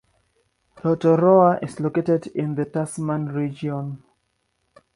Rotoroa is located in the Tasman Region.